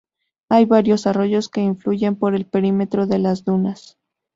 Hay varios arroyos que fluyen por el perímetro de las dunas.